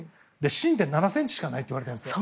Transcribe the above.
芯って７ｃｍしかないといわれてるんです。